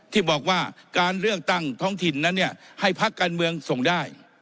ที่บอกว่าการเลือกตั้งท้องถิ่นนั้นเนี่ยให้พักการเมืองส่งได้